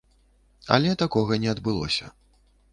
Але такога не адбылося.